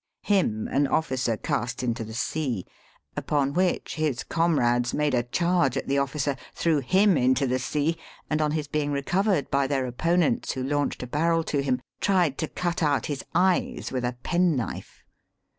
Him, an officer cast into the sea; upon which, his comrades made a charge at the officer, threw him into the sea, and, on his being recovered by their opponents who launched a barrel to him, tried Jo cut out his eyes with a penknife.